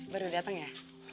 baru dateng ya